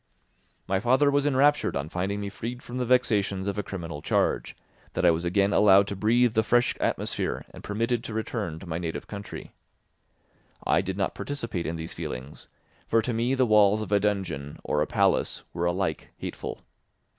My father was enraptured on finding me freed from the vexations of a criminal charge, that I was again allowed to breathe the fresh atmosphere and permitted to return to my native country. I did not participate in these feelings, for to me the walls of a dungeon or a palace were alike hateful.